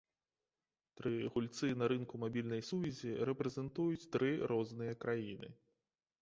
Тры гульцы на рынку мабільнай сувязі рэпрэзентуюць тры розныя краіны.